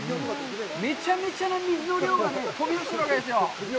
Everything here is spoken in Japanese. めちゃめちゃな水の量が飛び出してるわけですよ。